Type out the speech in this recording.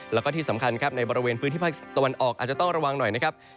แล้วก็ที่สำคัญครับในบริเวณพื้นที่ภาคตะวันออกอาจจะต้องระวังหน่อยนะครับ